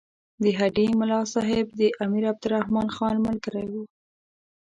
د هډې ملاصاحب د امیر عبدالرحمن خان ملګری وو.